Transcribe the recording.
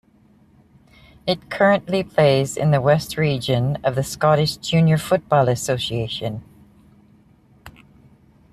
It currently plays in the West Region of the Scottish Junior Football Association.